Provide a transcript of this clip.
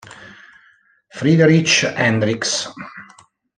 Friedrich Hendrix